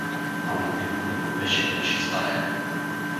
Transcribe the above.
Ала него не го беше вече страх.